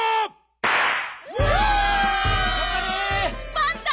パンタ！